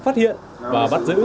phát hiện và bắt giữ